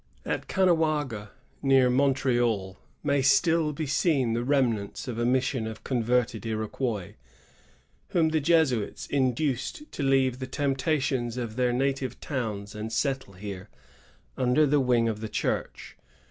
At Caughnawaga, near Montreal, may still be seen the remnants of a mission of converted Iroquois, whom the Jesuits induced to leave the temptations of their native towns and settle here, under the wing of the Church.